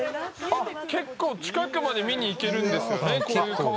結構近くまで見に行けるんですね。